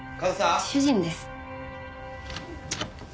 主人です。